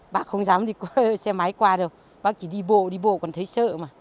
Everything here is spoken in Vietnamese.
bác không dám đi xe máy qua đâu bác chỉ đi bộ đi bộ còn thấy sợ mà